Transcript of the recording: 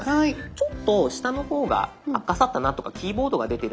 ちょっと下の方があかさたなとかキーボードが出てる。